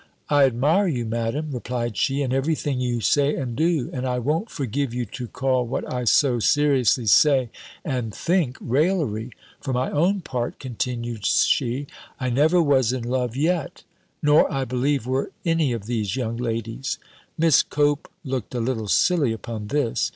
"I admire you, Madam," replied she, "and every thing you say and do; and I won't forgive you to call what I so seriously say and think, raillery. For my own part," continued she, "I never was in love yet, nor, I believe, were any of these young ladies." (Miss Cope looked a little silly upon this.)